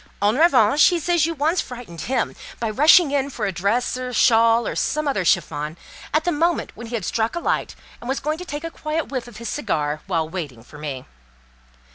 En revanche, he says you once frightened him by rushing in for a dress or a shawl, or some other chiffon, at the moment when he had struck a light, and was going to take a quiet whiff of his cigar, while waiting for me.